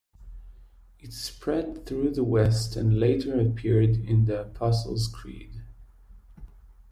It spread through the west and later appeared in the Apostles' Creed.